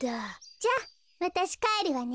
じゃあわたしかえるわね。